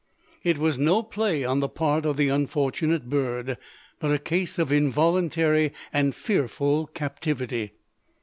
It was no play on the part of the unfortunate bird, but a case of involuntary and fearful captivity.